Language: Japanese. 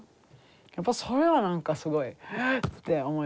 やっぱそれは何かすごいエッて思いますね。